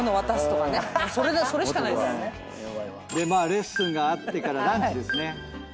レッスンがあってからランチですね。